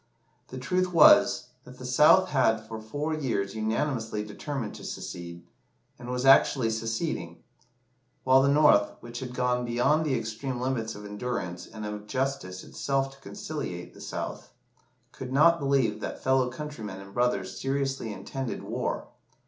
The truth was, that the South had for four years unanimously determined to secede, and was actually seceding; while the North, which had gone beyond the extreme limits of endurance and of justice itself to conciliate the South, could not believe that fellow countrymen and brothers seriously intended war.